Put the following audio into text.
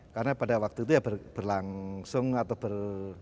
karena pada waktu itu ya berlangsung atau ber